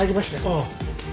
ああ。